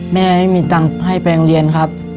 แม่ไม่มีตังค์ให้แปลงเรียนครับ